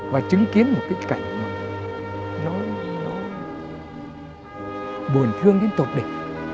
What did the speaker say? và chứng kiến một cái cảnh nó buồn thương đến tột định